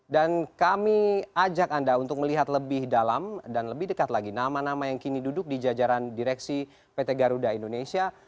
dan kami ajak anda untuk melihat lebih dalam dan lebih dekat lagi nama nama yang kini duduk di jajaran direksi pt garuda indonesia